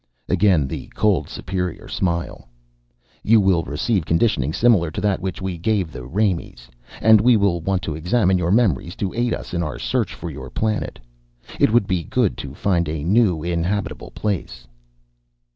Again the cold, superior smile. "You will receive conditioning similar to that which we gave the Raimees. And we will want to examine your memories to aid us in our search for your planet. It would be good to find a new inhabitable place."